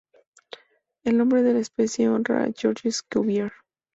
El nombre de la especie honra a Georges Cuvier.